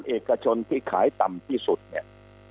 เอกชนที่ขายต่ำที่สุดเนี่ย